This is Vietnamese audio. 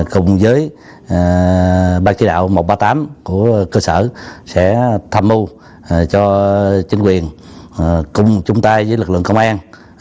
cùng với bác chế đạo một trăm ba mươi tám của cơ sở sẽ tham mưu cho chính quyền cùng chúng ta với lực lượng công an